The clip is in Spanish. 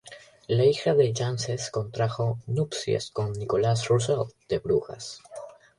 La hija de Janssens contrajo nupcias con Nicholas Russell de Brujas.